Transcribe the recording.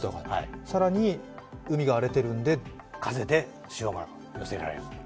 更に、海が荒れてるんで風で潮が寄せられる。